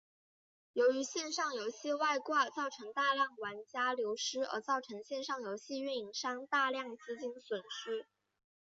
由于线上游戏外挂造成大量玩家流失而造成线上游戏营运商大量资金损失。